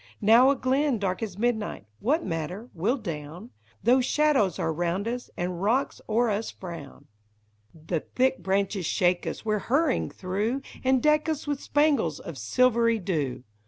Now a glen dark as midnight — what matter ?— we '11 down Though shadows are round us, and rocks o'er us frown ; t) THE HOBSEBACK BIDE. The thick branches shake as we 're harrying through, And deck us with spangles of silvery dew